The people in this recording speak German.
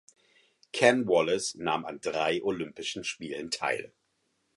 Ken Wallace nahm an drei Olympischen Spielen teil.